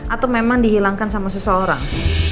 atau memang dihilangkan sama seseorang